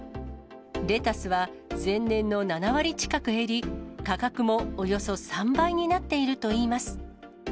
レタスは前年の７割近く減り、価格もおよそ３倍になっているといいます。